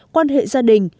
quan hệ gia đình